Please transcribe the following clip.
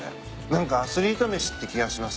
何かアスリート飯って気がします。